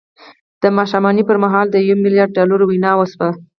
د ماښامنۍ پر مهال د يوه ميليارد ډالرو وينا وشوه.